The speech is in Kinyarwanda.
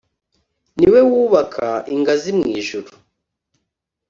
ni we wubaka ingazi mu ijuru,